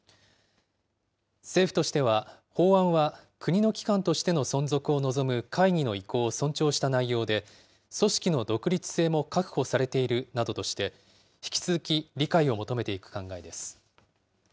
政府としては、法案は国の機関としての存続を望む会議の意向を尊重した内容で、組織の独立性も確保されているなどとして、引き続き理解を求めていく考えです。